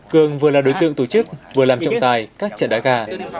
cường vừa là đối tượng tổ chức vừa làm trọng tài các trận đá gà